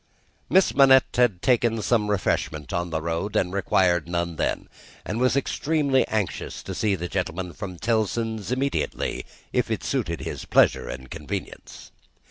Miss Manette had taken some refreshment on the road, and required none then, and was extremely anxious to see the gentleman from Tellson's immediately, if it suited his pleasure and convenience.